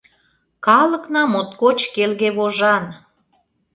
Калыкна моткоч келге вожан!